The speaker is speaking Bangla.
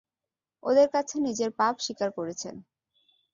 ওদের কাছে নিজের পাপ স্বীকার করেছেন।